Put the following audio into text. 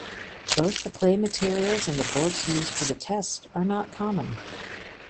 Both the clay materials and the bullets used for the test are not common.